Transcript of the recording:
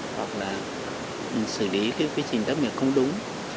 hoặc là mình xử lý cái quy trình tác nghiệp không đúng